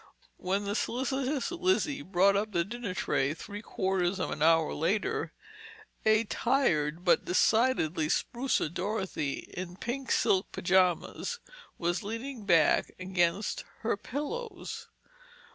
When the solicitous Lizzie brought up the dinner tray three quarters of an hour later, a tired but decidedly sprucer Dorothy, in pink silk pyjamas, was leaning back against her pillows.